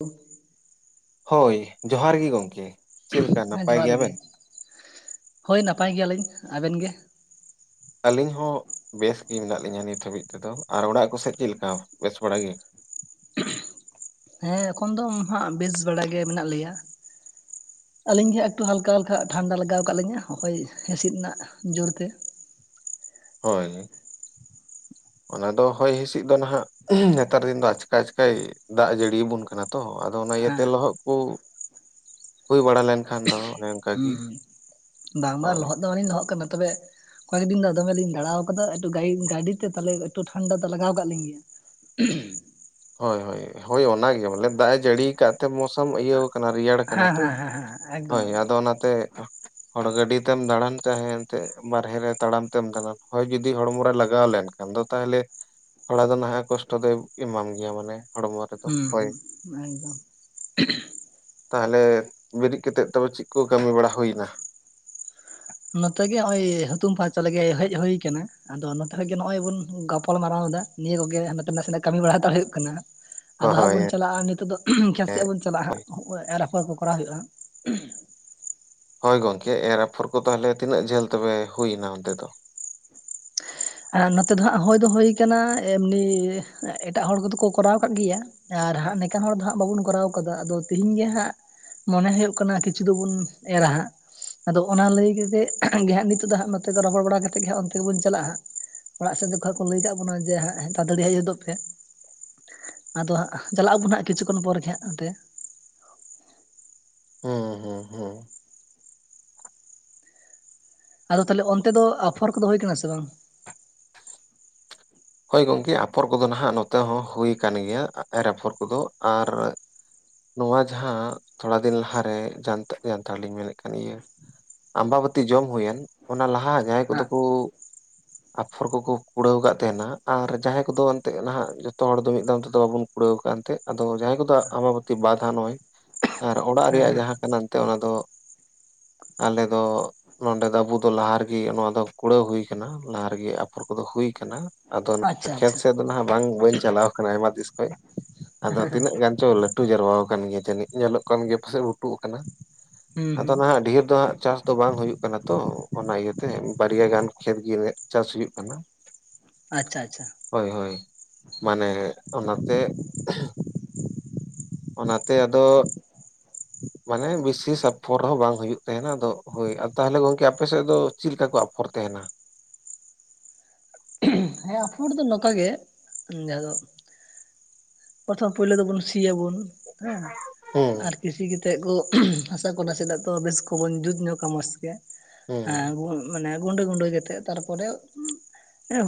ᱚ [unintelligible] ᱦᱳᱭ ᱡᱚᱦᱟᱨ ᱜᱮ ᱜᱚᱝᱠᱮ ᱪᱮᱫᱮᱠᱟ ᱦᱮᱸ ᱱᱟᱯᱟᱭ ᱡᱚᱦᱟᱨ ᱜᱮ ᱜᱮᱭᱟᱵᱮᱱ? ᱦᱳᱭ ᱱᱟᱯᱟᱭ ᱜᱮᱭᱟᱞᱤᱧ ᱟᱵᱮᱱ ᱜᱮ? ᱟᱹᱞᱤᱧ ᱦᱚᱸ ᱵᱮᱥ ᱜᱮ ᱢᱮᱱᱟᱜ ᱞᱤᱧᱟ ᱱᱤᱛ ᱦᱟᱹᱵᱤᱡ ᱛᱮᱫᱚ ᱟᱨ ᱚᱲᱟᱜ ᱠᱚ ᱥᱮᱫ ᱪᱮᱫ ᱞᱮᱠᱟ ᱵᱮᱥ ᱵᱟᱲᱟ ᱜᱮ? ᱦᱮᱸ ᱮᱠᱷᱚᱱ ᱫᱚ ᱦᱟᱸᱜ ᱵᱮᱥ ᱵᱟᱲ ᱜᱮ ᱢᱮᱱᱟᱜ ᱞᱮᱭᱟ᱾ ᱟᱹᱞᱤᱧ ᱜᱮ ᱦᱟᱸᱜ ᱮᱠᱴᱩ ᱦᱟᱞᱠᱟ ᱦᱟᱞᱠᱟ ᱴᱷᱟᱱᱰᱟ ᱞᱟᱜᱟᱣ ᱠᱟᱜ ᱞᱤᱧᱟᱹ ᱦᱚᱭ ᱦᱸᱥᱤᱫ ᱨᱮᱱᱟᱜ ᱡᱳᱨᱛᱮ᱾ ᱦᱳᱭ᱾ ᱚᱱᱟ ᱫᱚ ᱦᱚᱭ ᱦᱤᱤᱥᱤᱫ ᱫᱚ ᱱᱟᱦᱟᱜ ᱱᱮᱛᱟᱨ ᱫᱤᱱ ᱫᱚ ᱟᱪᱠᱟ ᱟᱪᱠᱟᱭ ᱫᱟᱜ ᱡᱟᱹᱲᱤ ᱵᱚᱱ ᱠᱟᱱᱟ ᱛᱚ᱾ ᱟᱫᱚ ᱚᱱᱟ ᱦᱮᱸ ᱤᱭᱟᱹᱛᱮ ᱞᱚᱦᱚᱫ ᱠᱚ ᱦᱩᱭ ᱵᱟᱲᱟ ᱞᱮᱱᱠᱷᱟᱱ ᱫᱚ ᱚᱱᱮ ᱦᱩᱸ ᱚᱱᱠᱟᱜᱮ, ᱵᱟᱝᱢᱟ ᱞᱚᱦᱚᱫ ᱫᱚ ᱵᱟᱝᱞᱤᱧ ᱞᱚᱦᱚᱫ ᱠᱟᱱᱟ ᱛᱚᱵᱮ, ᱚᱠᱟᱮ ᱫᱤᱱ ᱫᱚᱢᱮ ᱞᱤᱧ ᱫᱟᱲᱟᱣ ᱟᱠᱟᱫᱟ ᱮᱩ ᱜ ᱜᱟᱹᱰᱤ ᱛᱮ ᱛᱟᱦᱚᱞᱮ ᱮᱠᱴᱩ ᱴᱷᱟᱱᱰᱟ ᱫᱚ ᱞᱟᱜᱟᱣ ᱠᱟᱜ ᱞᱤᱧ ᱜᱮᱭᱟ᱾ ᱩᱦᱷᱩᱢ ᱦᱳᱭ ᱦᱳᱭ ᱦᱳᱭ ᱚᱱᱟᱜ ᱜᱮ ᱵᱚᱞᱮ ᱫᱟᱜ ᱮ ᱡᱟᱹᱲᱤ ᱟᱠᱟᱫ ᱛᱮ ᱢᱚᱸᱡᱽ ᱚᱢ ᱤᱭᱟᱹ ᱠᱟᱱᱟ ᱨᱮᱭᱟᱲ ᱠᱟᱱᱟ ᱦᱮᱸ ᱛᱚ ᱦᱮᱸ ᱦᱮᱸ ᱦᱮᱸ ᱮᱠᱫᱚᱢ ᱦᱳᱭ ᱮᱠᱫᱚᱢ ᱟᱫᱚ ᱚᱱᱟᱛᱮ ᱦᱚᱲ ᱜᱟᱹᱰᱤ ᱛᱮᱢ ᱫᱟᱬᱟᱱ ᱪᱟᱦᱮ ᱮᱱᱛᱮᱫ ᱵᱟᱨᱦᱮ ᱨᱮ ᱛᱟᱲᱟᱢ ᱛᱮᱢ ᱫᱟᱬᱟᱱ ᱦᱚᱳᱭ ᱡᱩᱫᱤ ᱦᱚᱲᱢᱚ ᱨᱮ ᱞᱟᱜᱟᱣ ᱞᱮᱱ ᱠᱷᱟᱱ ᱫᱚ ᱛᱟᱦᱚᱞᱮ ᱛᱷᱚᱲᱟ ᱫᱚ ᱱᱟᱦᱟᱜ ᱠᱚᱥᱴᱚ ᱫᱚᱭ ᱮᱢᱟᱢ ᱜᱮᱭᱟ ᱢᱟᱱᱮ ᱦᱚᱲᱢᱚ ᱨᱮᱫᱚ ᱦᱳᱭ ᱦᱩᱸ ᱦᱩᱸ ᱮᱠᱫᱚᱢ᱾ ᱛᱟᱦᱚᱞᱮ ᱵᱮᱨᱮᱫ ᱠᱟᱛᱮᱫ ᱛᱮ ᱪᱮᱫ ᱠᱚ ᱠᱟᱹᱢᱤ ᱵᱟᱲᱟ ᱦᱩᱭᱱᱟ? ᱱᱚᱛᱮ ᱜᱮ ᱦᱚᱸᱜᱼᱚᱭ ᱦᱩᱛᱩᱢ ᱯᱟᱨᱪᱟ ᱞᱮ ᱦᱮᱡ ᱦᱩ ᱠᱟᱱᱟ᱾ ᱟᱫᱚ ᱱᱚᱛᱮ ᱨᱮᱜᱮ ᱱᱚᱜᱼᱚᱭ ᱵᱚᱱ ᱜᱟᱯᱟᱞ ᱢᱟᱨᱟᱣ ᱫᱟ ᱱᱤᱭᱟᱹ ᱠᱚᱜᱮ ᱱᱚᱛᱮᱱᱟᱜ ᱥᱮᱱᱟᱜ ᱠᱟᱹᱢᱤ ᱵᱟᱲᱟ ᱦᱟᱛᱟᱲ ᱦᱩᱭᱩᱜ ᱠᱟᱱᱟ᱾ ᱟᱫᱚ ᱦᱟᱸᱜ ᱦᱳᱭ ᱵᱚᱱ ᱪᱟᱞᱟᱜᱼᱟ ᱱᱤᱛᱚᱜ ᱫᱚ ᱠᱷ ᱥᱮᱜ ᱵᱚᱱ ᱪᱟᱞᱟᱜᱼᱟᱜ ᱦᱳᱭ ᱮᱨ ᱟᱯᱷᱚᱨ ᱠᱚ ᱠᱚᱨᱟᱣ ᱦᱩᱭᱩᱜᱼᱟ᱾ ᱦᱳᱭ ᱜᱚᱝᱠᱮ ᱮᱨ ᱟᱯᱷᱚᱨ ᱠᱚ ᱛᱟᱦᱚᱞᱮ ᱛᱤᱱᱟᱹᱜ ᱡᱷᱟᱹᱞ ᱛᱚᱵᱮ ᱦᱩᱭ ᱮᱱᱟ ᱚᱱᱛᱮ ᱫᱚ? ᱟᱨ ᱱᱚᱛᱮ ᱫᱚ ᱦᱟᱸᱜ ᱦᱭ ᱫᱚ ᱦᱩ ᱟᱠᱟᱱᱟ ᱮᱢᱱᱤ ᱮᱴᱟᱜ ᱦᱚᱲ ᱠᱚᱫᱚ ᱠᱚ ᱠᱚᱨᱟᱣ ᱟᱠᱟᱫ ᱜᱤᱭᱟ᱾ ᱟᱨ ᱦᱟᱸᱜ ᱱᱮᱠᱟᱱ ᱦᱚᱲ ᱫᱚ ᱦᱟᱸᱜ ᱵᱟᱵᱚᱱ ᱠᱚᱨᱟᱣ ᱠᱟᱫᱟ ᱟᱫᱚ ᱛᱮᱤᱦᱤᱧ ᱜᱮ ᱦᱟᱸᱜ ᱢᱚᱱᱮ ᱦᱩᱭᱩᱜ ᱠᱟᱱᱟ ᱠᱤᱪᱷᱩ ᱫᱚᱵᱚᱱ ᱮᱨᱟ ᱦᱟᱸᱜ᱾ ᱟᱫᱚ ᱚᱱᱟ ᱞᱟᱹᱭ ᱠᱟᱛᱮᱫ ᱜᱮ ᱦᱟᱸᱜ ᱱᱤᱛᱳᱜ ᱫᱚ ᱦᱟᱸᱜ ᱱᱚᱛᱮ ᱨᱚᱚᱲ ᱵᱟᱲᱟ ᱠᱟᱛᱮᱮᱫ ᱜᱮ ᱦᱟᱸᱜ ᱚᱱᱛᱮ ᱜᱮᱵᱚᱱ ᱪᱟᱞᱟᱜᱼᱟ ᱦᱟᱸᱜ᱾ ᱚᱲᱟᱜ ᱥᱮᱫ ᱡᱚᱠᱷᱚᱡ ᱞᱟᱹᱭ ᱠᱟᱜ ᱵᱚᱱᱟ ᱡᱮ ᱦᱟᱸ ᱛᱟᱛᱟᱲᱤ ᱦᱮᱡ ᱦᱚᱫᱚᱜ ᱯᱮ᱾ ᱟᱫᱚ ᱦᱟᱸᱜ ᱪᱟᱞᱟᱜ ᱟᱵᱚᱱ ᱦᱟᱸᱜ ᱠᱤᱪᱷᱩᱠᱷᱚᱱ ᱯᱚᱨ ᱜᱮ ᱦᱟᱸᱜ ᱱᱚᱱᱛᱮ᱾ ᱦᱩᱸ ᱦᱩᱸ ᱦᱩᱸ᱾ ᱟᱫᱚ ᱛᱟᱦᱚᱞᱮ ᱚᱱᱛᱮ ᱫᱚ ᱟᱯᱷᱚᱨ ᱠᱚᱫᱚ ᱦᱩᱭ ᱠᱟᱱᱟ ᱥᱮ ᱵᱟᱝ? ᱦᱳᱭ ᱜᱚᱢᱠᱮ ᱟᱯᱷᱚᱨ ᱠᱚᱫᱚ ᱱᱟᱦᱟᱜ ᱱᱚᱛᱮ ᱦᱚᱸ ᱦᱩᱭ ᱟᱠᱟᱱ ᱜᱮᱭᱟ ᱮᱨ ᱟᱯᱷᱚᱨ ᱠᱚᱫᱚ ᱟᱨ ᱱᱚᱣᱟ ᱡᱟᱦᱟᱸ ᱛᱷᱚᱲᱟ ᱫᱤᱱ ᱞᱟᱦᱟᱨᱮᱟᱱ ᱡᱟᱱᱛᱷᱟᱲ ᱞᱤᱧ ᱢᱮᱱᱮᱫ ᱠᱟᱱ ᱤᱭᱟᱹ ᱟᱢᱵᱟ ᱵᱚᱛᱤ ᱡᱚᱢ ᱦᱩᱭᱮᱱ ᱚᱱᱟ ᱞᱟᱦᱟ ᱡᱟᱦᱟᱸᱭ ᱠᱚᱫᱚ ᱦᱟᱸᱜ ᱠᱩ ᱟᱯᱷᱚᱨ ᱠᱚᱠᱚ ᱠᱩᱲᱟᱹᱣ ᱠᱟᱜ ᱛᱟᱦᱮᱱᱟ᱾ ᱟᱨ ᱡᱟᱦᱟᱸᱭ ᱠᱚᱫᱚ ᱚᱱᱛᱮ ᱱᱟᱦᱟᱜ ᱡᱚᱛᱚ ᱦᱚᱲ ᱫᱚ ᱢᱤᱫ ᱫᱢ ᱛᱮᱫᱚ ᱵᱟᱵᱚᱱ ᱠᱩᱲᱟᱹᱣ ᱟᱠᱟᱫ ᱮᱱᱛᱮᱜ ᱟᱫᱚ ᱡᱟᱦᱟᱸᱭ ᱠᱚᱫᱚ ᱟᱵᱟ ᱛᱤ ᱵᱟᱫᱷᱟ ᱱᱚᱭ [unintelligible] ᱟᱨ ᱚᱲᱟᱜ ᱦᱮᱸ ᱨᱮᱭᱟᱜ ᱦᱮᱸ ᱡᱟᱦᱟᱸ ᱠᱟᱱᱟ ᱮᱱᱛᱮᱫ ᱚᱱᱟ ᱫᱚ, ᱟᱞᱮ ᱫᱚ ᱱᱚᱸᱰᱮ ᱫᱚ ᱟᱵᱩ ᱫᱚ ᱞᱟᱦᱟ ᱨᱮᱜᱮ ᱱᱚᱣᱟ ᱫᱚ ᱠᱩᱲᱟᱹᱣ ᱦᱩᱭ ᱟᱠᱟᱱᱟ ᱞᱟᱦᱟ ᱨᱮᱜᱮ ᱟᱯᱷᱚᱨ ᱠᱚᱫᱚ ᱦᱩᱭ ᱟᱠᱟᱱᱟ᱾ ᱟᱫᱚ ᱟᱪᱪᱷᱟ ᱠᱷᱮᱛ ᱟᱪᱪᱷᱟ ᱥᱮᱫ ᱫᱚ ᱱᱟᱦᱟᱜ ᱵᱟᱝ ᱵᱟᱹᱧ ᱪᱟᱞᱟᱣ ᱟᱠᱟᱱᱟ ᱟᱭᱢᱟ ᱛᱤᱥ ᱠᱷᱚᱱ ᱟᱫᱚ ᱛᱤᱱᱟᱹᱜ ᱜᱟᱱ ᱪᱚ ᱞᱟᱹᱴ ᱡᱟᱨᱣᱟ ᱟᱠᱟᱱ ᱜᱮᱭᱟ ᱡᱟᱹᱱᱤᱡ ᱧᱮᱞᱚᱜ ᱠᱟᱱ ᱜᱮᱭᱟ ᱯᱟᱥᱮᱡ ᱞᱩᱴᱩᱜ ᱟᱠᱟᱱᱟ ᱦᱩᱸ ᱟᱫᱚ ᱦᱩᱸ ᱱᱟᱦᱟᱜ ᱰᱷᱮᱨ ᱫᱚ ᱦᱟᱸᱜ ᱪᱟᱥ ᱛᱚ ᱵᱟᱝ ᱦᱩᱭᱩᱜ ᱠᱟᱱᱟ ᱛᱚ ᱚᱱᱟ ᱤᱭᱟᱹᱛᱮ ᱵᱟᱨᱭᱟ ᱜᱟᱱ ᱠᱷᱮᱛ ᱜᱮ ᱪᱟᱥ ᱦᱩᱭᱩᱜ ᱠᱟᱱᱟ᱾ ᱟᱪᱪᱷᱟ ᱪᱷᱟ᱾ ᱦᱳᱭ ᱦᱳᱭ ᱢᱟᱱᱮ ᱚᱱᱟᱛᱮ ᱚᱱᱟᱛᱮ ᱟᱫᱚ ᱢᱟᱱᱮ ᱵᱤᱥᱤᱥ ᱟᱯᱷᱚᱨ ᱦᱚᱸ ᱵᱟᱝ ᱦᱩᱭᱩᱜ ᱛᱟᱦᱮᱱᱟ ᱟᱫᱚ ᱦᱳᱭ ᱛᱟᱦᱚᱞᱮ ᱜᱚᱝᱠᱮ ᱟᱯᱮᱥᱮᱫ ᱫᱚ ᱪᱮᱫ ᱞᱮᱠᱟ ᱠᱚ ᱟᱯᱷᱚᱨ ᱛᱟᱦᱮᱱᱟ? ᱦᱮᱸ ᱟᱯᱷᱩᱨ ᱫᱚ ᱱᱚᱝᱠᱟ ᱜᱮ ᱡᱟᱦᱟᱸ ᱫᱚ ᱯᱨᱚᱛᱷᱚᱢ ᱯᱳᱭᱞᱳ ᱫᱚᱵᱚᱱ ᱥᱤᱭᱟᱵᱚᱱ ᱦᱮᱸ ᱦᱩᱸ ᱟᱨ ᱠᱤᱥᱤ ᱠᱟᱛᱮᱫ ᱠᱚ ᱦᱟᱥᱟ ᱠᱚ ᱱᱟᱥᱮ ᱱᱟᱜ ᱛᱚ ᱵᱮᱥ ᱠᱚᱵᱚᱱ ᱡᱩᱛ ᱧᱚᱜᱟ ᱢᱚᱸᱡᱽ ᱛᱮ ᱦᱩᱸ ᱢᱟᱱᱮ ᱜᱩᱰᱟ ᱜᱩᱰᱟ ᱜᱮᱛᱮ ᱛᱟᱨᱯᱚᱨᱮ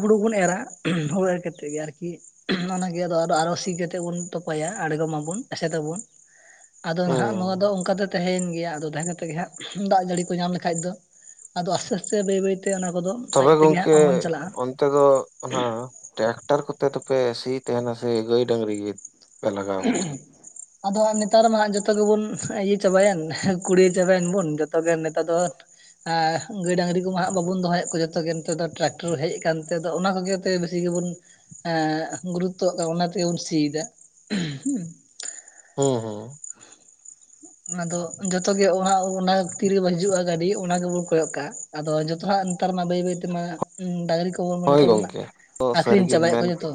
ᱦᱩᱲᱳ ᱵᱚᱱ ᱮᱨᱟ ᱦᱩᱲᱳ ᱮᱨ ᱠᱟᱛᱮᱫ ᱜᱮ ᱟᱨᱠᱤ ᱚᱱᱟᱜᱮ ᱟ ᱟᱨᱚ ᱥᱤ ᱠᱟᱛᱮ ᱵᱩᱱ ᱛᱚᱯᱟᱭᱟ ᱟᱲᱜᱚᱢᱟᱵᱚᱱ ᱮᱥᱮᱫ ᱟᱵᱚᱱ ᱟᱫᱚ ᱱᱟᱦᱟᱜ ᱱᱚᱣᱟ ᱫᱚ ᱦᱩᱸ ᱚᱱᱠᱟ ᱛᱟᱸᱦᱮᱭᱮᱱ ᱜᱮᱭᱟ ᱟᱫᱚ ᱛᱟᱦᱮᱸ ᱠᱟᱛᱮᱜ ᱜᱮ ᱦᱟᱸᱜ ᱫᱟᱜ ᱡᱟᱹᱲᱤ ᱠᱚ ᱧᱟᱢ ᱞᱮᱠᱷᱟᱡ ᱫᱚ ᱟᱫᱚ ᱟᱥᱛᱮ ᱟᱥᱛᱮ ᱵᱟᱹᱭ ᱵᱟᱹᱭᱛᱮ ᱚᱱᱟ ᱠᱚᱫᱚ ᱟᱡ ᱛᱚᱵᱮ ᱛᱮᱜᱮ ᱜᱚᱢᱠᱮ ᱦᱟᱸᱜ ᱚᱢᱚᱱ ᱪᱟᱞᱟᱜᱼᱟ ᱚᱱ ᱚᱱᱛᱮ ᱫᱚ ᱚᱱᱟ ᱴᱨᱟᱠᱴᱟᱨ ᱠᱚᱛᱮ ᱫᱚᱯᱮ ᱥᱤ ᱛᱟᱦᱮᱱᱟ ᱥᱮ ᱜᱟᱹᱭ ᱰᱟᱹᱝᱨᱤ ᱜᱮ ᱯᱮ ᱞᱟᱜᱟᱣ ᱠᱚ ᱛᱟᱦᱮᱸᱫ [inaudible] ᱟᱫᱚᱜ ᱱᱮᱛᱟᱨ ᱢᱟ ᱦᱟᱜ ᱡᱚᱛᱚ ᱜᱮᱵᱚᱱ ᱤᱭᱟᱹ ᱪᱟᱵᱟᱭᱮᱱ ᱠᱩᱲᱤᱭᱟ ᱪᱟᱵᱟᱭᱮᱱ ᱵᱚᱱ ᱡᱚᱛᱚ ᱜᱮ ᱱᱮᱛᱟᱨ ᱫᱚ ᱟᱸ ᱜᱟᱹᱭ ᱰᱟᱝᱨᱤ ᱠᱚᱢᱟ ᱦᱟᱜ ᱵᱟᱵᱚᱱ ᱫᱚᱦᱚᱭᱮᱫ ᱠᱚᱣᱟ ᱡᱚᱛᱚ ᱜᱮ ᱱᱮᱛᱟᱨ ᱫᱚ ᱴᱨᱟᱠᱴᱚᱨ ᱦᱮᱡ ᱟᱠᱟᱱᱛᱮᱫ ᱫᱚ ᱚᱱᱟ ᱠᱚᱜᱮ ᱵᱮᱥᱤ ᱜᱮᱵᱚᱱ ᱜᱩᱨᱩᱛᱛᱚ ᱠᱟᱱᱟ ᱚᱱᱟ ᱛᱮᱜᱮᱵᱚᱱ ᱥᱤᱭᱮᱫᱟ᱾ ᱦᱩᱸ ᱦᱩᱸ ᱚᱱᱟᱫᱚ ᱡᱚᱛᱚ ᱜᱮ [inaudible] ᱚᱱᱟ ᱛᱤᱨᱮᱵᱚᱱ ᱦᱤᱡᱩᱜᱼᱟ ᱜᱟᱹᱰᱤ ᱚᱱᱟ ᱜᱮᱵᱚᱱ ᱠᱚᱭᱚᱜ ᱠᱟᱜᱼᱟ ᱟᱫᱚ ᱡᱚᱛᱚᱱᱟᱜ ᱱᱮᱛᱟᱨ ᱢᱟ ᱵᱟᱹᱭ ᱵᱟᱹᱭ ᱛᱮᱢᱟ ᱰᱟᱝᱨᱤ ᱠᱚᱵᱚᱱ ᱦᱳᱭ ᱡᱚᱛᱚ ᱵᱚᱱ ᱜᱚᱝᱠᱮ ᱛᱚ ᱟᱠᱷᱨᱤᱧ ᱥᱟᱹᱨᱤᱜᱮᱢ ᱪᱟᱵᱟᱭᱮᱫ ᱢᱮᱱ ᱠᱚᱣᱟ ᱠᱮᱫ ᱡᱚᱛᱚ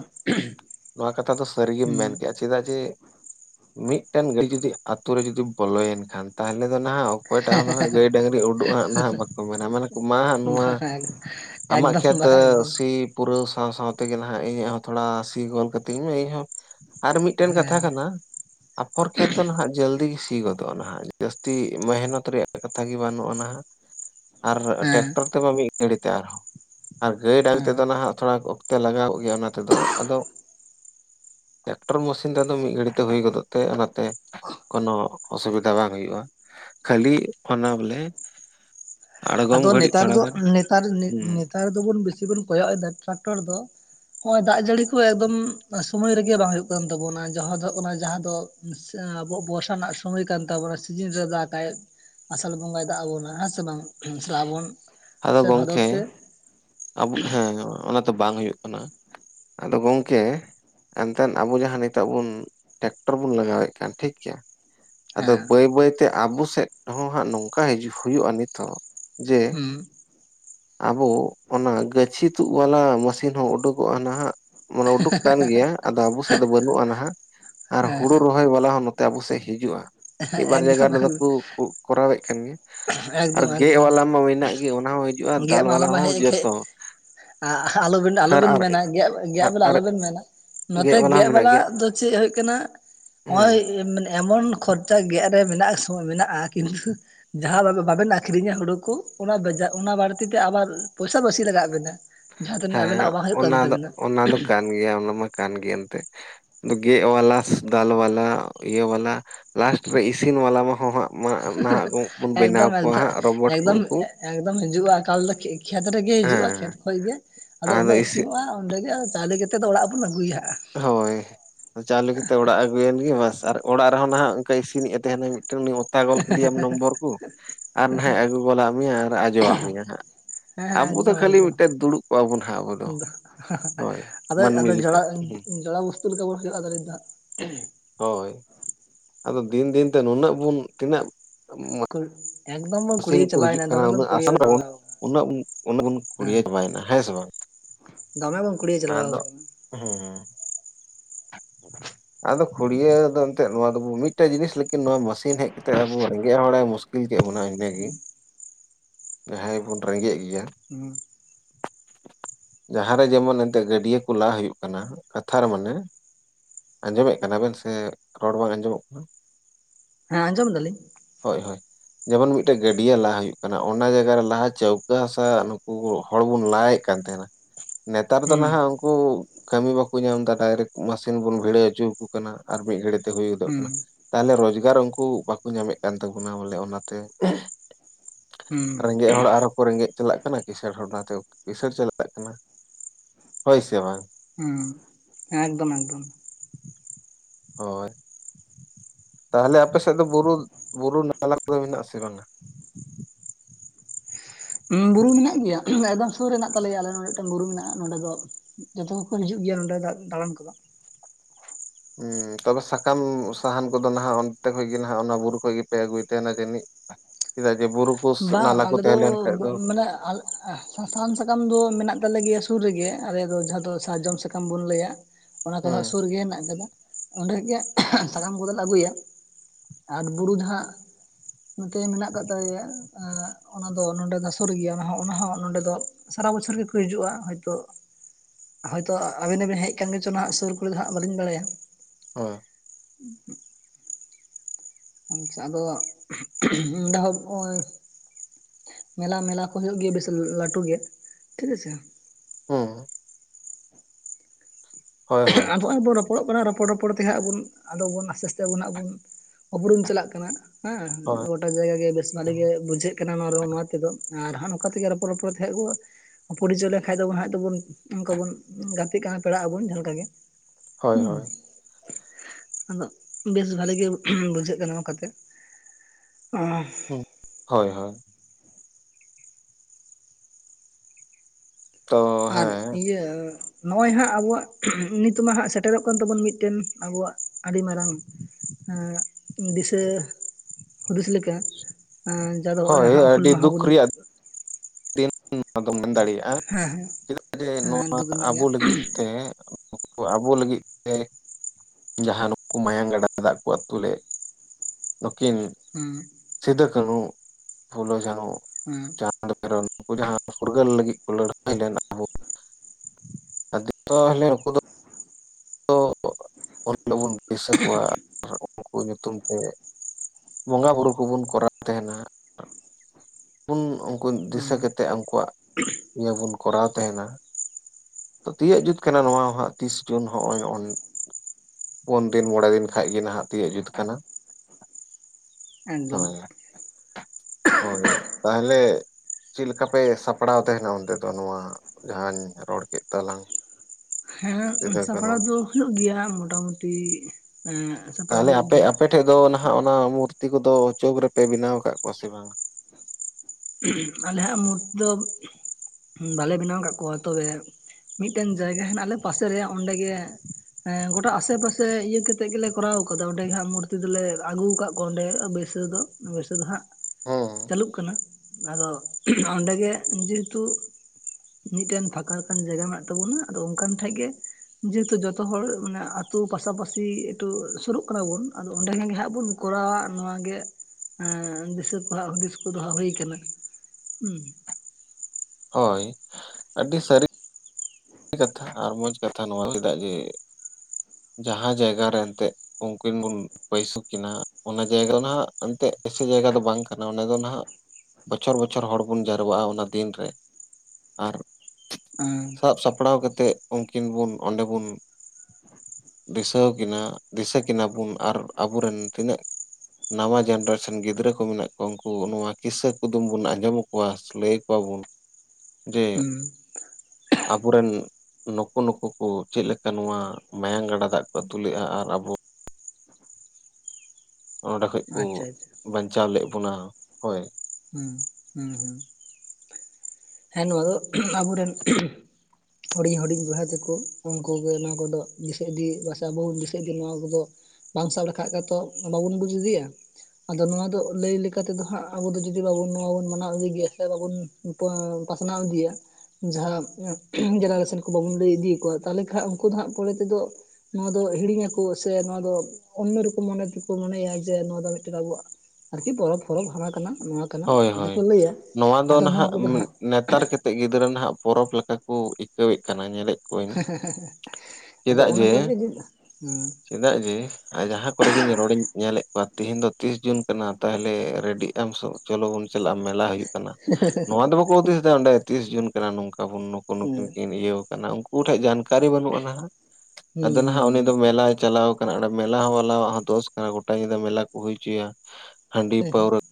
ᱱᱚᱣᱟ ᱠᱟᱛᱷᱟ ᱫᱚ ᱥᱟᱹᱨᱤ ᱜᱮᱢ ᱦᱩᱸ ᱢᱮᱱᱠᱮᱜ-ᱟ᱾ ᱪᱮᱫᱟᱜ ᱡᱮ ᱢᱤᱫᱴᱮᱱ ᱜᱟᱹᱭ ᱡᱩᱫᱤ ᱟᱛᱳ ᱨᱮ ᱡᱩᱫᱤ ᱵᱚᱞᱚᱭᱮᱱ ᱠᱷᱟᱱ ᱛᱟᱦᱚᱞᱮ ᱫᱚ ᱱᱟᱦᱟᱜ ᱚᱠᱚᱭᱴᱟᱜ ᱦᱚᱸ ᱱᱟᱦᱟᱜ ᱜᱟᱹᱭ ᱰᱟᱝᱨᱤ ᱩᱰᱩᱠᱼᱟ ᱱᱟᱦᱟᱜ ᱵᱟᱠᱚ ᱢᱮᱱᱟ ᱢᱮᱱ-ᱟ ᱠᱚ ᱢᱟ ᱱᱚᱣᱟ [inaudible] ᱟᱢᱟᱜ ᱠᱷᱮᱛ ᱮᱻ ᱵᱟᱝ ᱮᱠᱫᱚᱢ ᱥᱤ ᱥᱤ ᱯᱩᱨᱟᱹᱣ ᱥᱟᱶ ᱥᱟᱶ ᱛᱮᱜᱮ ᱱᱟᱦᱟᱜ ᱤᱧᱟᱹᱜ ᱦᱚᱸ ᱛᱷᱚᱲᱟ ᱥᱤ ᱜᱚᱫ ᱠᱟᱹᱛᱤᱧ ᱢᱮ ᱤᱧᱦᱚᱸ ᱟᱨ ᱢᱤᱫᱴᱮᱱ ᱠᱟᱛᱷᱟ ᱦᱮᱸ ᱠᱟᱱᱟ ᱟᱯᱷᱚᱨ ᱠᱷᱮᱛ ᱫᱚ ᱱᱟᱦᱟᱜ ᱡᱟᱞᱫᱤ ᱜᱮ ᱥᱤ ᱜᱚᱫᱚᱜᱼᱟ ᱱᱟᱦᱟᱜ ᱡᱟᱹᱥᱛᱤ ᱢᱮᱦᱱᱚᱛ ᱨᱮᱭᱟᱜ ᱠᱟᱛᱷᱟ ᱜᱮ ᱵᱟᱹᱱᱩᱜᱼᱟ ᱱᱟᱦᱟᱜ [unintelligible] ᱟᱨ ᱦᱮᱸ ᱴᱮᱠᱴᱚᱨ ᱛᱮᱢᱟ ᱢᱤᱫ ᱜᱷᱟᱹᱲᱤᱡ ᱛᱮ ᱟᱨᱦᱚᱸ ᱟᱨ ᱜᱟᱹᱭ ᱰᱟᱝᱨᱤ ᱦᱮᱸ ᱛᱮᱫᱚ ᱱᱟᱦᱟᱜ ᱛᱷᱚᱲᱟ ᱚᱠᱛᱮ ᱞᱟᱜᱟᱣ ᱜᱮᱭᱟ ᱚᱱᱟ ᱛᱮᱫᱚ ᱟᱫᱚ ᱴᱨᱟᱠᱴᱚᱨ ᱢᱮᱥᱤᱱ ᱛᱮᱫᱚ ᱢᱤᱫ ᱜᱷᱟᱹᱲᱤᱡ ᱛᱮ ᱦᱩᱭ ᱜᱚᱫᱚᱜ ᱛᱮ ᱚᱱᱟᱛᱮ ᱠᱳᱱᱳ ᱚᱥᱩᱵᱤᱫᱷᱟ ᱵᱟᱝ ᱦᱩᱭᱩᱜᱼᱟ ᱠᱷᱟᱹᱞᱤ ᱚᱱᱟ ᱵᱚᱞᱮ ᱟᱬᱜᱚᱢ ᱟᱫᱚ ᱜᱷᱟᱹᱲᱤᱡ ᱱᱮᱛᱟᱨ ᱛᱷᱚᱲᱟ ᱫᱚ ᱜᱟᱱ ᱱᱮᱛᱟᱨ ᱦᱩᱸ ᱱᱮᱛᱟᱨ ᱫᱚᱵᱚᱱ ᱵᱮᱥᱤ ᱵᱚᱱ ᱠᱚᱭᱚᱜ ᱮᱫᱟ ᱴᱨᱟᱠᱴᱚᱨ ᱫᱚ ᱱᱚᱜᱚᱭ ᱫᱟᱜ ᱡᱟᱹᱲᱤ ᱠᱚ ᱮᱠᱫᱚᱢ ᱥᱳᱢᱳᱭ ᱨᱮᱜᱮ ᱵᱟᱝ ᱦᱩᱭᱩᱜ ᱠᱟᱱ ᱛᱟᱵᱚᱱᱟ ᱡᱚᱦᱟ ᱫᱚ ᱦᱩᱭᱩᱜ ᱠᱟᱱᱟ ᱡᱟᱦᱟᱸ ᱫᱚ ᱟᱵᱚ ᱵᱚᱨᱥᱟ ᱨᱮᱱᱟᱜ ᱥᱚᱢᱚᱭ ᱠᱟᱱ ᱛᱟᱵᱚᱱᱟ ᱥᱤᱡᱤᱱ ᱨᱮ ᱫᱟᱜ-ᱟᱭ ᱟᱥᱟᱲ ᱵᱚᱸᱜᱟᱭ ᱫᱟᱜ ᱟᱵᱚᱱᱟ ᱦᱮᱸ ᱥᱮ ᱵᱟᱝ ᱥᱮᱨᱟᱵᱚᱱ ᱟᱫᱚ ᱜᱚᱢᱠᱮ ᱟᱵᱚ ᱦᱮᱸ ᱚᱱᱟ ᱛᱚ ᱵᱟᱝ ᱦᱩᱭᱩᱜ ᱠᱟᱱᱟ ᱟᱫᱚ ᱜᱚᱢᱠᱮ ᱮᱱᱛᱮᱱ ᱟᱵᱚ ᱡᱟᱦᱟᱸ ᱱᱤᱛᱚᱜ ᱵᱚᱱ ᱴᱮᱠᱴᱚᱨ ᱵᱚᱱ ᱞᱟᱜᱟᱣᱮᱫ ᱠᱟᱱ ᱴᱷᱤᱠ ᱜᱮᱭᱟ ᱟᱫᱚ ᱦᱮᱸ ᱵᱟᱹᱭ ᱵᱟᱹᱭ ᱛᱮ ᱟᱵᱚ ᱥᱮᱫ ᱦᱚᱸ ᱦᱟᱸᱜ ᱱᱚᱝᱠᱟ ᱦᱤᱡᱩᱜ ᱦᱩᱭᱩᱜᱼᱟ ᱱᱤᱛᱳᱜ ᱡᱮ [inaudible] ᱟᱵᱚ ᱚᱱᱟ ᱜᱟᱹᱪᱷᱤ ᱛᱩᱫ ᱵᱟᱞᱟ ᱢᱮᱥᱤᱱ ᱦᱚᱸ ᱩᱰᱩᱠᱚᱜᱼᱟ ᱱᱟᱦᱟᱜ ᱢᱟᱱᱮ ᱩᱰᱩᱠ ᱠᱟᱱ ᱜᱮᱭᱟ ᱟᱫᱚ ᱟᱵᱚ ᱥᱮᱫ ᱫᱚ ᱵᱟᱹᱱᱩᱜᱼᱟ ᱱᱟᱦᱟᱜ ᱟᱨ ᱦᱮᱸ ᱦᱩᱲᱩ ᱨᱚᱦᱚᱭ ᱵᱟᱞᱟ ᱦᱚᱸ ᱛᱮ ᱟᱵᱚ ᱥᱮᱫ ᱦᱤᱡᱩᱜᱼᱟ ᱢᱤᱫ ᱵᱟᱨ ᱡᱟᱭᱜᱟ ᱮᱠᱫᱚᱢ ᱨᱮᱫᱚ ᱠᱩ ᱠᱚᱨᱟᱣᱮᱫ ᱠᱟᱱ ᱜᱮᱭᱟ ᱟᱨ ᱮᱠᱫᱚᱢ ᱜᱮᱫ ᱮᱠᱫᱚᱢ ᱵᱟᱞᱟ ᱢᱟ ᱢᱮᱱᱟᱜ ᱜᱮ ᱚᱱᱟ ᱦᱚᱸ ᱦᱤᱡᱩᱜᱼᱟ ᱫᱟᱞ ᱵᱟᱞᱟ ᱦᱚᱸ ᱦᱤᱡᱩᱜ-ᱟ ᱛᱚ ᱟᱞᱚᱵᱤᱱ ᱟᱞᱚᱵᱤᱱ ᱢᱮᱱᱟ ᱜᱮᱫ ᱜᱮᱫ ᱵᱚᱞᱟ ᱟᱨ ᱟᱞᱚᱵᱤᱱ ᱢᱮᱱᱟ ᱱᱚᱛᱮ ᱜᱮᱫ ᱦᱚᱸ ᱢᱮᱱᱟᱜ ᱵᱟᱞᱟ ᱜᱮᱭᱟ ᱫᱚ ᱪᱮᱫ ᱦᱩᱭᱩᱜ ᱠᱟᱱᱟ ᱦᱩᱸ ᱱᱚᱜ-ᱚᱭ ᱮᱢᱚᱱ ᱠᱷᱚ ᱜᱮᱫ ᱨᱮ ᱢᱮᱱᱟᱜ ᱥᱚᱢᱚᱭ ᱢᱮᱱᱟᱜᱼᱟ ᱠᱤᱱᱛᱩ ᱡᱟᱦᱟᱸ ᱵᱟᱵᱮᱱ ᱟᱠᱷᱨᱤᱧᱟ ᱦᱩᱲᱩ ᱠᱚ ᱚᱱᱟ ᱚᱱᱟ ᱵᱟᱹᱲᱛᱤᱛᱮ ᱟᱵᱟᱨ ᱯᱚᱭᱥᱟ ᱵᱮᱥᱤ ᱞᱟᱜᱟᱜ ᱠᱟᱱᱟ ᱦᱮᱸ ᱚᱱᱟ ᱫᱚ ᱚᱱᱟ ᱫᱚ ᱠᱟᱱ ᱜᱮᱭᱟ ᱚᱱᱟ ᱢᱟ ᱠᱟᱱ ᱜᱮᱭᱟ ᱮᱱᱛᱮ ᱜᱮᱫ ᱵᱟᱞᱟ ᱫᱟᱞ ᱵᱟᱞᱟ ᱤᱭᱟᱹ ᱵᱟᱞᱟ ᱞᱟᱥᱴ ᱨᱮ ᱤᱥᱤᱱ ᱵᱟᱞᱟ ᱢᱟ ᱦᱚ ᱦᱟᱸᱜ [inaudible] ᱱᱟᱦᱟᱜ ᱵᱚᱱ ᱮᱠᱫᱚᱢ ᱵᱮᱱᱟᱣ ᱠᱚᱣᱟ ᱮᱠᱫᱚᱢ ᱦᱟᱸᱜ ᱨᱳᱵᱚᱴ ᱠᱚ ᱮᱠᱫᱚᱢ ᱩᱱᱠᱩ ᱮᱠᱫᱚᱢ ᱦᱤᱡᱩᱜᱼᱟ ᱮᱠᱟᱞ ᱫᱚ ᱠᱷᱮᱛ ᱨᱮᱜᱮ ᱦᱤᱡᱩᱜᱼᱟ ᱠᱷᱮᱛ ᱦᱮᱸ ᱠᱷᱚᱡ ᱜᱮ ᱟᱫᱚ ᱚᱸᱰᱮ ᱤᱥᱤᱱᱚᱜᱼᱟ ᱚᱸᱰᱮ ᱜᱮ ᱪᱟᱣᱞᱮ ᱠᱟᱛᱮᱫ ᱫᱚ ᱚᱲᱟᱜ ᱵᱚᱱ ᱟᱹᱜᱩᱭᱟᱼᱟ ᱾ ᱦᱳᱭ ᱫᱚ ᱪᱟᱣᱞᱮ ᱠᱟᱛᱮᱫ ᱚᱲᱟᱜ ᱟᱹᱜᱩᱭᱮᱱ ᱜᱮ ᱵᱟᱥ ᱟᱨ ᱚᱲᱟᱜ ᱨᱮᱦᱚᱸ ᱱᱟᱦᱟᱜ ᱚᱱᱠᱟ ᱤᱥᱤᱱᱤᱡ ᱮ ᱛᱟᱦᱮᱱᱟ ᱢᱤᱫᱴᱮᱱ ᱛᱟ ᱜᱚᱞ ᱠᱮᱫᱮᱭᱟᱢ ᱱᱚᱢᱵᱚᱨ ᱠᱚ ᱟᱨ ᱱᱟᱦᱟᱜ ᱟᱹᱜᱩ ᱜᱚᱫᱟᱜ ᱢᱮᱭᱟ ᱟᱨ ᱟᱡᱚ ᱟᱜ ᱢᱮᱭᱟ ᱦᱟᱸᱜ ᱦᱟᱸᱜ ᱦᱮᱸ ᱦᱮᱸ ᱟᱵᱚ ᱫᱚ ᱮᱠᱫᱚᱢ ᱠᱷᱟᱹᱞᱤ ᱮᱠᱫᱚᱢ ᱢᱤᱫᱴᱮᱡ ᱫᱩᱲᱩᱵ ᱠᱚᱜᱼᱟ ᱵᱚᱱ ᱦᱟᱸᱜ ᱟᱵᱚ ᱫᱚ ᱮᱠᱫᱚᱢ ᱦᱳᱭ ᱟᱫᱚ ᱢᱟᱹᱱᱢᱤ ᱟᱫᱚ ᱞᱮᱠᱟ ᱡᱚᱲᱟ ᱡᱚᱲᱟ ᱵᱚᱥᱛᱩ ᱞᱮᱠᱟ ᱵᱚᱱ ᱦᱩᱭᱩᱜᱼᱟᱫᱚ ᱱᱤᱛ ᱦᱟᱜ ᱦᱳᱭ ᱟᱫᱚ ᱫᱤᱱ ᱫᱤᱱ ᱛᱮ ᱱᱩᱱᱟᱹᱜ ᱵᱩᱱ ᱛᱤᱱᱟᱹᱜ ᱮᱠᱫᱚᱢ ᱠᱩᱲᱭᱟᱹ ᱥᱤᱱ ᱠᱚ ᱦᱤᱡᱩᱜ ᱪᱟᱵᱟᱭᱱᱟ ᱫᱚᱢᱮ ᱠᱟᱱᱟ ᱵᱮᱱ ᱩᱱᱟᱹᱜ ᱠᱩᱲᱭᱟᱹ ᱟᱥᱟᱱ ᱪᱟᱵᱟ ᱵᱟᱵᱚᱱ ᱠᱟᱱᱟ ᱩᱱᱟᱹᱜ ᱵᱚ ᱩᱱᱟᱹᱜ ᱵᱚᱱ ᱠᱩᱲ ᱪᱟᱵᱟᱭᱮᱱᱟ ᱦᱮᱸ ᱥᱮ ᱵᱟᱝ ᱫᱚᱢᱮ [inaudible] ᱟᱫᱚ ᱠᱟᱱᱟ ᱦᱮᱸ [unintelligible] ᱟᱫᱚ ᱠᱷᱩᱲᱭᱟᱹ ᱫᱚ ᱮᱱᱛᱮ ᱱᱚᱣᱟ ᱫᱚᱵᱚ ᱢᱤᱫᱴᱮᱡ ᱡᱤᱱᱤᱥ ᱞᱮᱠᱤᱱ ᱱᱚᱣᱟ ᱢᱟᱥᱤᱱ ᱦᱮᱡ ᱮᱱᱛᱮ ᱟᱵᱚ ᱨᱮᱸᱜᱮᱡ ᱦᱚᱲᱮ ᱢᱩᱥᱠᱤᱞ ᱠᱮᱫ ᱵᱚᱱᱟ ᱤᱱᱟᱹ ᱜᱮ ᱡᱟᱦᱟᱸᱭ ᱵᱚᱱ ᱨᱮᱸᱜᱮᱡ ᱜᱮᱭᱟ ᱦᱮᱸ [inaudible] ᱡᱟᱦᱟᱸᱨᱮ ᱡᱮᱢᱚᱱ ᱮᱱᱛᱮ ᱜᱟᱹᱰᱭᱟᱹ ᱠᱚ ᱞᱟ ᱦᱩᱭᱩᱜ ᱠᱟᱱᱟ ᱠᱟᱛᱷᱟ ᱨᱮ ᱢᱟᱱᱮ ᱟᱸᱡᱚᱢᱮᱫ ᱠᱟᱱᱟ ᱵᱮᱱ ᱥᱮ ᱨᱚᱲ ᱵᱟᱝ ᱟᱸᱡᱚᱢᱚᱜ ᱠᱟᱱᱟ ᱾ ᱦᱮᱸ ᱟᱸᱡᱚᱢ ᱫᱟᱞᱤᱧ ᱦᱳᱭ ᱦᱳᱭ ᱡᱮᱢᱚᱱ ᱢᱤᱫᱴᱮᱡ ᱜᱟᱹᱰᱭᱟᱹ ᱞᱟ ᱦᱩᱭᱩᱜ ᱠᱟᱱᱟ ᱾ ᱚᱱᱟ ᱡᱟᱭᱜᱟ ᱨᱮ ᱞᱟᱦᱟ ᱪᱟᱹᱣᱠᱟᱹ ᱦᱟᱥᱟ ᱱᱩᱠᱩ ᱦᱚᱲ ᱵᱚᱱ ᱞᱟᱭᱮᱫ ᱠᱟᱱ ᱛᱟᱦᱮᱱᱟ ᱾ ᱱᱮᱛᱟᱨ ᱫᱚ ᱦᱩᱸ ᱱᱟᱦᱟᱜ ᱩᱱᱠᱩ ᱠᱟᱹᱢᱤ ᱵᱟᱠᱚ ᱧᱟᱢ ᱮᱫᱟ ᱰᱟᱭᱨᱮᱠᱴ ᱢᱟᱥᱤᱱ ᱵᱚᱱ ᱵᱷᱤᱲᱟᱹ ᱦᱚᱪᱚ ᱾ [unintelligible] ᱟᱨ ᱢᱤᱫ ᱜᱷᱟᱹᱲᱤᱡ ᱛᱮ ᱦᱩᱭ ᱜᱚᱫᱚᱜ ᱦᱩᱸ ᱠᱟᱱᱟ ᱛᱟᱦᱚᱞᱮ ᱨᱳᱡᱽᱜᱟᱨ ᱩᱱᱠᱩ ᱵᱟᱠᱚ ᱧᱟᱢᱮᱫ ᱠᱟᱱ ᱛᱟᱵᱳᱱᱟ ᱵᱚᱞᱮ ᱚᱱᱟᱛᱮ ᱦᱩᱸ ᱨᱮᱸᱜᱮᱡ ᱦᱚᱲ ᱟᱨᱚ ᱠᱚ ᱨᱮᱸᱜᱮᱡ ᱪᱟᱞᱟᱜ ᱠᱟᱱᱟ ᱠᱤᱥᱟᱹᱬ ᱦᱚᱲ ᱚᱱᱟᱛᱮ ᱠᱸᱤᱥᱬ ᱪᱟᱞᱟᱜ ᱠᱟᱱᱟ ᱦᱳᱭ ᱥᱮ ᱵᱟᱝ ᱦᱩᱸ ᱮᱠᱫᱚᱢ ᱮᱠᱫᱚᱢ ᱦᱳᱭ ᱛᱟᱦᱚᱞᱮ ᱟᱯᱮ ᱥᱮᱫ ᱫᱚ ᱵᱩᱨᱩ ᱵᱩᱨᱩ ᱱᱟᱞᱟ ᱠᱚᱫᱚ ᱢᱮᱱᱟᱜ ᱟᱥᱮ ᱵᱟᱝ ᱟ ᱵᱩᱨᱩ ᱢᱮᱱᱟᱜ ᱜᱮᱭᱟ ᱮᱠᱫᱚᱢ ᱥᱩᱨ ᱨᱮ ᱢᱮᱱᱟᱜ ᱛᱟᱞᱮᱭᱟ ᱟᱞᱮ ᱱᱚᱰᱮ ᱢᱤᱫᱴᱮᱱ ᱵᱩᱨᱩ ᱢᱮᱱᱟᱜᱼᱟ ᱱᱚᱰᱮ ᱫᱚ ᱡᱚᱛᱚ ᱜᱮᱠᱚ ᱦᱤᱡᱩᱜ ᱜᱮᱭᱟ ᱱᱚᱸᱰᱮ ᱫᱟᱬᱟᱱ ᱠᱚᱫᱚ ᱦᱩᱸ [unintelligible] ᱛᱚᱵᱮ ᱥᱟᱠᱟᱢ ᱥᱟᱦᱟᱱ ᱠᱚᱫᱚ ᱱᱟᱦᱟᱜ ᱚᱱᱛᱮ ᱠᱷᱚᱡ ᱜᱮ ᱱᱟᱦᱟᱜ ᱚᱱᱟ ᱵᱩᱨᱩ ᱠᱷᱚᱡ ᱜᱮᱯᱮ ᱟᱹᱜᱩᱭᱮᱫ ᱛᱟᱦᱮᱱᱟ ᱡᱟᱹᱱᱤᱡ ᱪᱮᱫ ᱡᱮ ᱵᱩᱨᱩ ᱠᱚ ᱵᱟᱝ ᱱᱟᱞᱟ ᱠᱚ ᱟᱞᱮ ᱫᱚ ᱛᱟᱦᱮᱸ ᱞᱮᱱ ᱠᱷᱟᱡ ᱫᱚ ᱢᱟᱱᱮ ᱥᱟ ᱥᱟᱦᱟᱱ ᱥᱟᱠᱟᱢ ᱫᱚ ᱢᱮᱱᱟᱜ ᱛᱟᱞᱮ ᱜᱮᱭᱟ ᱥᱩᱨ ᱨᱮᱜᱮ ᱟᱞᱮᱭᱟᱜ ᱫᱚ ᱡᱟᱦᱟᱸ ᱫᱚ ᱥᱟᱨᱡᱚᱢ ᱥᱟᱠᱟᱢ ᱵᱚᱱ ᱞᱟᱹᱭᱟ ᱚᱱᱟ ᱠᱚᱫᱚ ᱦᱟᱜ ᱦᱩᱸ ᱥᱩᱨ ᱜᱮ ᱦᱮᱱᱟᱜ ᱠᱟᱫᱟ ᱚᱸᱰᱮ ᱜᱮ ᱥᱟᱠᱟᱢ ᱠᱚᱫᱚᱞᱮ ᱟᱹᱜᱩᱭᱟ ᱟᱨ ᱵᱩᱨᱩ ᱡᱟᱦᱟᱸᱜ ᱱᱚᱛᱮ ᱢᱮᱱᱟᱜ ᱟᱠᱟᱫ ᱛᱟᱞᱮ ᱜᱮᱭᱟ ᱚᱱᱟ ᱫᱚ ᱱᱚᱰᱮᱸ ᱫᱚ ᱥᱩᱨ ᱜᱮᱭᱟ ᱚᱱᱟ ᱚᱱᱟ ᱦᱚᱸ ᱱᱚᱰᱮᱸ ᱫᱚ ᱥᱟᱨᱟ ᱵᱚᱪᱷᱚᱨ ᱜᱮᱠᱚ ᱦᱤᱡᱩᱜᱼᱟ ᱦᱚᱭᱛᱳ ᱦᱳᱭᱛᱳ ᱟᱵᱤᱱ ᱫᱚᱵᱤᱱ ᱦᱮᱡ ᱟᱠᱟᱱ ᱜᱮᱪᱚ ᱱᱟᱜ ᱥᱩᱨ ᱠᱚᱨᱮ ᱫᱚ ᱦᱟᱸᱜ ᱵᱟᱹᱞᱤᱧ ᱵᱟᱲᱟᱭᱟ [unintelligible] [unintelligible] ᱟᱪᱪᱷᱟ ᱟᱫᱚ [inaudible] ᱢᱮᱞᱟ ᱢᱮᱞᱟ ᱠᱚ ᱦᱩᱭᱩᱜᱳ ᱜᱮᱭᱟ ᱵᱮᱥ ᱞᱟᱹᱴᱩ ᱜᱮ ᱴᱷᱤᱜ ᱟᱪᱷᱮ ᱦᱚᱸ ᱦᱳᱭ ᱦᱳᱭ ᱟᱫᱚ ᱵᱚᱱ ᱨᱚᱯᱚᱲᱚᱜ ᱠᱟᱱᱟ ᱨᱚᱯᱚᱲ ᱨᱚᱯᱚᱲ ᱛᱮᱜ ᱦᱟᱸᱜ ᱵᱚᱱ ᱟᱫᱚ ᱵᱚᱱ ᱟᱥᱛᱮ ᱟᱥᱛᱮ ᱟᱵ ᱦᱟᱸᱜ ᱵᱚᱱ ᱩᱯᱨᱩᱢ ᱪᱟᱞᱟᱜ ᱠᱟᱱᱟ ᱦᱮᱸ ᱦᱳᱭ ᱜᱚᱴᱟ ᱡᱟᱭᱜᱟ ᱜᱮ ᱵᱮᱥ ᱵᱷᱟᱞᱤ ᱜᱮ ᱵᱩᱡᱷᱟᱹᱜ ᱠᱟᱱᱟ ᱱᱚᱣᱟ ᱱᱚᱣᱟ ᱛᱮᱫᱚ ᱟᱨ ᱦᱜ ᱱᱚᱝᱠᱟ ᱛᱮᱜᱮ ᱯᱚᱨᱮ ᱯᱚᱨᱮ ᱛᱟᱦᱮᱸ ᱵᱚ ᱯᱚᱨᱤᱪᱚᱭ ᱞᱮᱱᱠᱟᱱᱡ ᱫᱚ ᱦᱟᱸᱜ ᱫᱚᱵᱚᱱ ᱚᱱᱠᱟ ᱵᱚᱱ ᱜᱟᱛᱮᱜ ᱠᱟᱱᱟ ᱯᱮᱲᱟᱜ ᱟᱵᱚᱱ ᱡᱟᱦᱟᱸ ᱞᱮᱠᱟ ᱜᱮ ᱦᱳᱭ ᱦᱮᱸ ᱦᱳᱭ ᱟᱫᱚ ᱵᱮᱥ ᱵᱷᱟᱞᱮ ᱜᱮ ᱵᱩᱡᱷᱟᱹᱜ ᱠᱟᱱᱟ ᱚᱠᱟᱛᱮ ᱚ ᱦᱳᱭ ᱦᱳᱭ ᱛᱚ ᱟᱨ ᱦᱮᱸ ᱤᱭᱟᱹ ᱱᱚᱜᱼᱚᱭ ᱦᱟᱸᱜ ᱟᱵᱚᱣᱟᱜ ᱱᱤᱛ ᱢᱟ ᱦᱟᱸᱜ ᱥᱮᱴᱮᱨᱚᱜ ᱠᱟᱱ ᱛᱟᱵᱚᱱ ᱢᱤᱫᱴᱮᱱ ᱟᱵᱚᱣᱟᱜ ᱟᱹᱰᱤ ᱢᱟᱨᱟᱝ ᱫᱤᱥᱟᱹ ᱦᱩᱫᱤᱥ ᱞᱮᱠᱟ ᱡᱟ ᱫᱚ ᱦᱳᱭ ᱦᱳᱜᱸᱚᱭ ᱦᱩᱞ ᱟᱹᱰᱤ ᱢᱟᱦᱟ ᱵᱚᱱ ᱫᱚ ᱢᱮᱱ ᱫᱟᱲᱮᱭᱟᱜᱼᱟ ᱦᱮᱸ ᱦᱮᱸ ᱪᱮᱫᱟᱜ ᱡᱮ ᱦᱮᱸ ᱱᱚᱣᱟ ᱫᱩᱠ ᱨᱮᱱᱟᱜ ᱜᱮ ᱟᱵᱚ ᱞᱟᱹᱜᱤᱫ ᱛᱮ ᱩᱱᱠᱩ ᱟᱵᱚ ᱞᱟᱹᱜᱤᱫ ᱛᱮ ᱡᱟᱦᱟᱸ ᱱᱩᱠᱩ ᱢᱟᱭᱟᱝ ᱜᱟᱰᱟ ᱫᱟᱜ ᱠᱚ ᱟᱹᱛᱩ ᱞᱮᱫ ᱱᱩᱠᱤᱱ ᱦᱮᱸ ᱥᱤᱫᱟᱹ ᱠᱟᱱᱩ ᱯᱷᱩᱞᱳ ᱡᱷᱟᱱᱚ [unintelligible] ᱡᱟᱦᱟ ᱱᱩᱠᱩ ᱩᱱᱠᱩ ᱡᱟᱦᱟᱸ ᱯᱷᱩᱨᱜᱟᱹᱞ ᱞᱟᱹᱜᱤᱫ ᱠᱚ ᱞᱟᱹᱲᱦᱟᱹᱭ ᱞᱮᱱᱟ ᱛᱚᱦᱞᱮ ᱱᱩᱠᱩ ᱫᱚ [unintelligible] ᱚᱱ ᱦᱤᱞᱳᱜ ᱵᱚᱱ ᱫᱤᱥᱟᱹ ᱠᱚᱣᱟ ᱟᱨ ᱩᱱᱠᱩ ᱧᱩᱛᱩᱢ ᱛᱮ ᱵᱚᱸᱜᱟ ᱵᱩᱨᱩ ᱠᱚᱵᱚᱱ ᱠᱚᱨᱟᱣ ᱛᱟᱦᱮᱱᱟ ᱩᱱᱠᱩ ᱫᱤᱥᱟᱹ ᱠᱟᱛᱮ ᱦᱮᱸ ᱩᱱᱠᱩᱣᱟᱜ ᱤᱭᱟᱹ ᱵᱚᱱ ᱠᱚᱨᱟᱣ ᱛᱟᱦᱮᱱᱟ ᱛᱤᱭᱟᱹᱜ ᱡᱩᱛ ᱠᱟᱱᱟ ᱱᱚᱣᱟ ᱦᱚ ᱛᱤᱥ ᱡᱩᱱ ᱦᱚᱜᱚᱭ ᱱᱚᱜ ᱯᱩᱱ ᱫᱤᱱ ᱢᱚᱬᱮ ᱫᱤᱱ ᱠᱷᱟᱭ ᱜᱮ ᱱᱟᱦᱟᱜ ᱛᱤᱭᱟᱹᱜ ᱡᱩᱛ ᱠᱟᱱᱟ ᱮᱠᱫᱚᱢ [unintelligible] ᱦᱳᱭ ᱛᱟᱦᱚᱞᱮ ᱪᱮᱫ ᱞᱮᱠᱟᱯᱮ ᱥᱟᱯᱲᱟᱣ ᱛᱟᱦᱮᱱᱟ ᱚᱱᱛᱮ ᱫᱚ ᱱᱚᱣᱟ ᱡᱟᱦᱟᱧ ᱨᱚᱲ ᱠᱮᱫ ᱛᱟᱞᱟᱝ ᱦᱮᱸ ᱥᱤᱫᱩ ᱠᱟᱹᱱᱩ ᱥᱟᱯᱲᱟᱣ ᱫᱚ ᱦᱩᱭᱩᱜ ᱜᱮᱭᱟ ᱢᱚᱴᱟ ᱢᱩᱴᱤ ᱥᱟᱯᱲᱟ ᱦᱩᱭᱩᱜ ᱜᱮᱭᱟ ᱟ ᱫᱚ ᱱᱟᱦᱟᱜ ᱚᱱᱟ ᱢᱩᱨᱛᱤ ᱠᱚᱫᱚ ᱪᱳᱠ ᱨᱮᱯᱮ ᱵᱮᱱᱟᱣ ᱠᱟᱜ ᱠᱚᱣᱟ ᱥᱮ ᱵᱟᱝ ᱟᱞᱮ ᱦᱟᱜ ᱢᱩᱨᱛᱤ ᱫᱚ ᱵᱟᱞᱮ ᱵᱮᱱᱟᱣ ᱠᱟᱜ ᱠᱚᱣᱟ ᱛᱚᱵᱮ ᱢᱤᱫᱴᱟᱹᱝ ᱡᱟᱭᱜᱟ ᱦᱮᱱᱟᱜ-ᱟ ᱟᱞᱮ ᱯᱟᱥᱮᱨᱮ ᱚᱱᱰᱮᱜᱮ ᱮᱸ ᱜᱚᱴᱟ ᱟᱥᱮ ᱯᱟᱥᱮ ᱤᱭᱟᱹ ᱠᱟᱛᱮᱜ ᱜᱮᱞᱮ ᱠᱚᱨᱟᱣ ᱟᱠᱟᱫᱟ ᱚᱸᱰᱮ ᱜᱮ ᱦᱟᱜ ᱢᱩᱨᱛᱤ ᱫᱚᱞᱮ ᱟᱹᱜᱩ ᱟᱠᱟᱜ ᱠᱚ ᱚᱸᱰᱮ ᱵᱟᱹᱭᱥᱟᱹ ᱫᱚ ᱵᱟᱹᱭᱥᱟᱹ ᱫᱚ ᱦᱟᱸᱜ ᱦᱮᱸ ᱪᱟᱹᱞᱩᱜ ᱠᱟᱱᱟ ᱟᱨ ᱚᱸᱰᱮ ᱜᱮ ᱡᱮᱦᱮᱛᱩ ᱢᱤᱫᱴᱮᱱ ᱯᱷᱟᱸᱠᱟ ᱞᱮᱠᱟᱱ ᱡᱟᱭᱜᱟ ᱢᱮᱱᱟᱜ ᱛᱟᱵᱚᱱᱟ ᱟᱫᱚ ᱚᱱᱠᱟᱱ ᱴᱷᱮ‌ᱜ ᱜᱮ ᱡᱮᱦᱮᱛᱩ ᱡᱚᱛᱚᱦᱚᱲ ᱢᱟᱱᱮ ᱟᱛᱩ ᱯᱟᱥᱟᱯᱟᱥᱤ ᱮᱠᱴᱩ ᱥᱩᱨᱩᱜ ᱠᱟᱱᱟᱵᱚᱱ ᱟᱫᱚ ᱚᱱᱰᱮᱜᱮ ᱦᱟᱸᱜ ᱵᱚᱱ ᱠᱚᱨᱟᱣᱟᱜ ᱱᱚᱣᱟᱣᱟ ᱜᱮ ᱫᱤᱥᱟᱹ ᱯᱟᱲᱦᱟ ᱦᱩᱫᱤᱥ ᱠᱚᱫᱚ ᱦᱟᱜ ᱦᱩᱭ ᱠᱟᱱᱟ ᱦᱩᱸ ᱦᱳᱭ ᱟᱹᱰᱤ ᱥᱟᱹᱨᱤ ᱠᱟᱛᱷᱟ ᱟᱨ ᱢᱚᱡᱽ ᱠᱟᱛᱷᱟ ᱱᱚᱣᱟ ᱞᱮᱫᱟ ᱡᱮ ᱡᱟᱦᱟᱸ ᱡᱟᱭᱜᱟ ᱨᱮ ᱮᱱᱛᱮ ᱩᱱᱠᱤᱱ ᱵᱚᱱ ᱵᱟᱹᱭᱥᱩ ᱠᱤᱱᱟᱹ ᱚᱱᱟ ᱡᱟᱭᱜᱟ ᱫᱚ ᱱᱟᱦᱜ ᱮᱱᱛᱜ ᱮᱥᱮ ᱡᱟᱭᱜᱟ ᱫᱚ ᱵᱟᱝ ᱠᱟᱱᱟ ᱚᱰᱮ ᱫᱚ ᱦᱱᱟᱜ ᱵᱚᱪᱷᱚᱨ ᱵᱚᱪᱷᱚᱨ ᱦᱚᱲ ᱵᱚᱱ ᱡᱟᱨᱣᱟᱜᱼᱟ ᱚᱱᱟ ᱫᱤᱱ ᱨᱮ ᱟᱨ [unintelligible] ᱥᱟᱵ ᱥᱟᱯᱲᱟᱣ ᱠᱟᱛᱮᱜ ᱩᱱᱠᱤᱱ ᱵᱚᱱ ᱚᱸᱰᱮ ᱵᱚᱱ ᱫᱤᱥᱟᱹ ᱠᱤᱱᱟ ᱫᱤᱥᱟᱹ ᱠᱤᱱᱟ ᱵᱚᱱ ᱟᱨ ᱟᱵᱚ ᱨᱮᱱ ᱛᱤᱱᱟᱹᱜ ᱱᱟᱣᱟ ᱡᱮᱱᱟᱨᱮᱥᱚᱱ ᱜᱤᱫᱽᱨᱟᱹ ᱠᱚ ᱢᱮᱱᱟᱜ ᱠᱚᱣᱟ ᱩᱱᱠᱩ ᱱᱚᱣᱟ ᱠᱤᱥᱟᱹ ᱠᱩᱫᱩᱢ ᱵᱚᱱ ᱟᱸᱡᱚᱢ ᱠᱚᱣᱟ ᱥᱮ ᱞᱟᱹᱭ ᱵᱟᱵᱚᱱ ᱡᱮ ᱦᱩᱸ ᱟᱵᱚ ᱨᱮᱱ ᱱᱩᱠᱩ ᱱᱩᱠᱩ ᱠᱚ ᱪᱮᱫ ᱞᱮᱠᱟ ᱱᱚᱣᱟ ᱢᱟᱭᱟᱝ ᱜᱟᱰᱟ ᱫᱟᱜ ᱠᱚ ᱟᱛᱩ ᱞᱮᱜᱼᱟ ᱟᱨ ᱟᱵᱚ ᱚᱸᱰᱮ ᱠᱷᱚᱡ ᱠᱚ ᱟᱪᱪᱷᱟ ᱟᱪᱪᱷᱟ ᱵᱟᱧᱪᱟᱣ ᱞᱮᱫ ᱵᱚᱱᱟ ᱦᱳᱭ ᱦᱩᱸ ᱦᱩᱸ ᱦᱩᱸ ᱦᱮᱸ ᱱᱚᱣᱟ ᱫᱚ ᱟᱵᱚ ᱨᱮᱱ ᱦᱩᱰᱤᱧ ᱦᱩᱰᱤᱧ ᱵᱚᱭᱦᱟ ᱛᱟᱠᱚ ᱩᱱᱠᱩ ᱜᱮ ᱱᱚᱣᱟ ᱠᱚᱫᱚ ᱫᱤᱥᱟᱹ ᱤᱫᱤ ᱵᱟᱥᱮ ᱟᱵᱚ ᱵᱚ ᱫᱤᱥᱟᱹ ᱤᱫᱤ ᱱᱚᱣᱟ ᱠᱚᱫᱚ ᱵᱟᱝ ᱥᱟᱵ ᱞᱮᱠᱷᱟ ᱜᱮ ᱛᱚ ᱵᱟᱵᱚᱱ ᱵᱩᱡ ᱤᱫᱤᱭᱟ ᱟᱫᱚ ᱱᱚᱣᱟ ᱫᱚ ᱞᱟᱹᱭ ᱞᱮᱠᱟ ᱛᱮ ᱫᱚ ᱦᱟᱸᱜ ᱟᱵᱚ ᱫᱚ ᱡᱩᱫᱤ ᱵᱟᱵᱚᱱ ᱢᱟᱱᱟᱣ ᱤᱫᱤ ᱜᱮᱭᱟ ᱥᱮ ᱵᱟᱵᱚᱱ ᱯᱟᱥᱱᱟᱣ ᱤᱫᱤᱭᱟ ᱡᱟᱦᱟᱸ ᱡᱮᱱᱟᱨᱮᱥᱚᱱ ᱠᱚ ᱵᱟᱵᱚᱱ ᱞᱟᱹᱭ ᱤᱫᱤ ᱟᱠᱚᱣᱟ ᱛᱟᱦᱚᱞᱮ ᱠᱷᱟᱱ ᱩᱱᱠᱩ ᱫᱚ ᱦᱟᱸᱜ ᱯᱚᱨᱮ ᱛᱮᱫᱚ ᱱᱚᱣᱟ ᱫᱚ ᱦᱤᱲᱤᱧᱟ ᱠᱚ ᱥᱮ ᱱᱚᱣᱟ ᱫᱚ ᱚᱱᱱᱚ ᱨᱚᱠᱚᱢ ᱢᱚᱱᱮ ᱛᱮᱠᱚ ᱢᱚᱱᱮᱭᱟ ᱡᱮ ᱱᱚᱣᱟ ᱫᱚ ᱢᱤᱫᱴᱮᱱ ᱟᱵᱚᱣᱟᱜ ᱟᱨᱠᱤ ᱯᱚᱨᱚᱵᱽ ᱦᱚᱨᱚᱵᱽ ᱦᱟᱱᱟ ᱠᱟᱱᱟ ᱱᱚᱣᱟ ᱠᱟᱱᱟ ᱦᱳᱭ ᱟᱫᱚ ᱦᱳᱭ ᱠᱚ ᱞᱟᱹᱭᱟ ᱱᱚᱣᱟ ᱫᱚ ᱟᱫᱚ ᱱᱚᱣᱟ ᱱᱟᱦᱟᱜ ᱠᱚ ᱫᱚ ᱦᱟᱸᱜ ᱱᱮᱛᱟᱨ ᱠᱟᱴᱤᱡ ᱜᱤᱫᱽᱨᱟᱹ ᱱᱟᱦᱟᱜ ᱯᱚᱨᱚᱵᱽ ᱞᱮᱠᱟ ᱠᱚ ᱟᱹᱭᱠᱟᱹᱣᱮᱫ ᱠᱟᱱᱟ ᱧᱮᱞᱮᱫ ᱠᱚᱣᱟᱹᱧ ᱟᱫᱚ ᱪᱮᱫᱟᱜ ᱚᱱᱟ ᱡᱮ ᱠᱚ ᱜᱮ ᱦᱮᱸ ᱪᱮᱫᱟᱜ ᱡᱮ ᱟᱨ ᱡᱟᱦᱟᱸ ᱠᱚᱨᱮ ᱜᱤᱧ ᱨᱚᱲᱤᱧ ᱧᱮᱞᱮᱫ ᱠᱚᱣᱟ ᱛᱤᱦᱤᱧ ᱫᱚ ᱛᱤᱨᱤᱥ ᱡᱩᱱ ᱠᱟᱱᱟ ᱛᱟᱦᱚᱞᱮ ᱨᱮᱰᱤᱜ ᱟᱢ ᱥᱮ ᱵᱟᱝ? ᱪᱚᱞᱚ ᱵᱚᱱ ᱪᱟᱞᱟᱜᱼᱟ ᱢᱮᱞᱟ ᱦᱩᱭᱩᱜ ᱠᱟᱱᱟ ᱱᱚᱣᱟ ᱫᱚ ᱵᱟᱠᱚ ᱦᱩᱫᱤᱥ ᱮᱫᱟ ᱚᱸᱰᱮ ᱛᱤᱨᱤᱥᱮ ᱡᱩᱱ ᱠᱟᱱᱟ ᱱᱚᱝᱠᱟ ᱵᱚᱱ ᱱᱩᱠᱤᱱ ᱦᱮᱸ ᱠᱤᱱ ᱤᱭᱟᱹᱣ ᱟᱠᱟᱱᱟ ᱩᱱᱠᱩ ᱴᱷᱮᱱ ᱡᱟᱦᱟᱸᱱ ᱠᱟᱹᱨᱤ ᱵᱟᱹᱱᱩᱜᱼᱟ ᱱᱟᱦᱟᱜ ᱦᱩᱸ ᱟᱫᱚ ᱱᱟᱦᱟᱜ ᱩᱱᱤ ᱫᱚ ᱢᱮᱞᱟᱭ ᱪᱟᱞᱟᱣ ᱢᱮᱞᱟ ᱣᱟᱞᱟ ᱣᱟᱜ ᱦᱚᱸ ᱫᱳᱥ ᱠᱟᱱᱟ ᱜᱚᱴᱟ ᱧᱤᱫᱟᱹ ᱢᱮᱞᱟ ᱠᱚ ᱦᱩᱭ ᱦᱚᱪᱚᱭᱟ ᱦᱟᱺᱰᱤ ᱦᱩᱸ ᱦᱩᱸ ᱯᱟᱹᱣᱨᱟᱹ